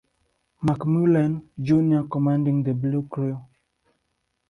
McMullen, Junior commanding the Blue Crew.